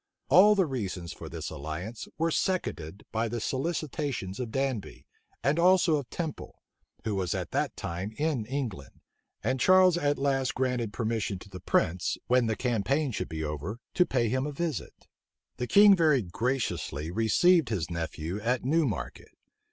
All the reasons for this alliance were seconded by the solicitations of Danby, and also of Temple, who was at that time in England; and Charles at last granted permission to the prince, when the campaign should be over, to pay him a visit. The king very graciously received his nephew at Newmarket.